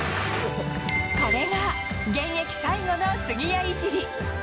これが現役最後の杉谷いじり。